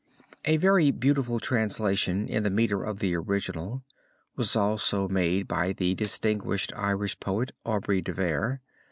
A very beautiful translation in the meter of the original was also made by the distinguished Irish poet, Aubrey de Vere.